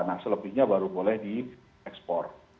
nah selebihnya baru boleh diekspor